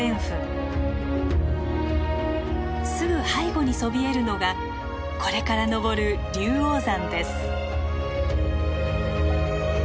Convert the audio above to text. すぐ背後にそびえるのがこれから登る龍王山です。